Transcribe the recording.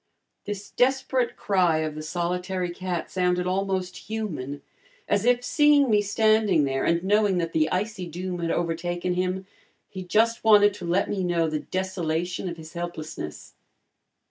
This desperate cry of the solitary cat sounded almost human, as if, seeing me standing there, and knowing that the icy doom had overtaken him, he just wanted to let me know the desolation of his helplessness.